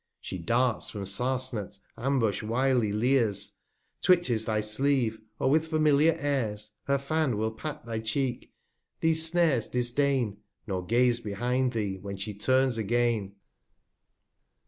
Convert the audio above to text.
She darts from Sarsnet Ambush wily Leers, 281 Twitches thy Sleeve, or with familiar Airs, Her Fan will pat thy Cheek; these Snares disdain, | Nor gaze behind thee, when she turns again.